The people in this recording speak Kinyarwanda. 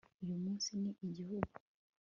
uyu munsi ni igihu